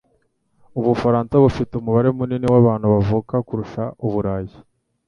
Ubufaransa bufite umubare munini w'abana bavuka kurusha Uburayi.